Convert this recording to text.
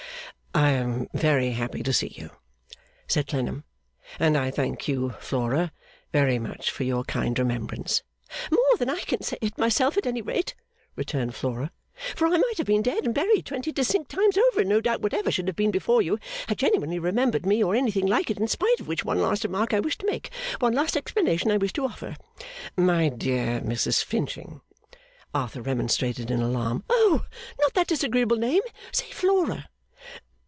'I am very happy to see you,' said Clennam, 'and I thank you, Flora, very much for your kind remembrance.' 'More than I can say myself at any rate,' returned Flora, 'for I might have been dead and buried twenty distinct times over and no doubt whatever should have been before you had genuinely remembered Me or anything like it in spite of which one last remark I wish to make, one last explanation I wish to offer ' 'My dear Mrs Finching,' Arthur remonstrated in alarm. 'Oh not that disagreeable name, say Flora!